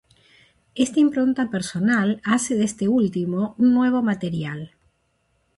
Esta impronta personal, hace de este último, un nuevo material.